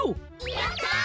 やった！